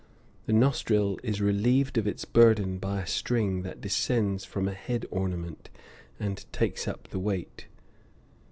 The nostril is relieved of its burden by a string that descends from a head ornament and takes up the weight.